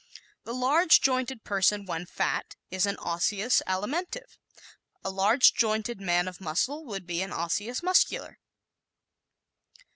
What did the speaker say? The large jointed person when fat is an Osseous Alimentive. A large jointed man of muscle would be an Osseous Muscular.